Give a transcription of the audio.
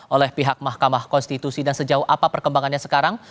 oleh pihak mahkamah konstitusi dan sejauh apa perkembangannya sekarang